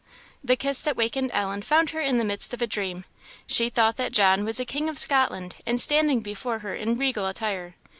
The kiss that wakened Ellen found her in the midst of a dream. She thought that John was a king of Scotland, and standing before her in regal attire.